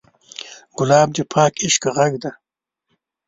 ګلاب د پاک عشق غږ دی.